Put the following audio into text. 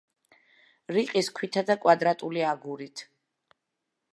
რიყის ქვითა და კვადრატული აგურით.